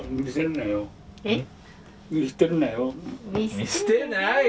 見捨てないよ！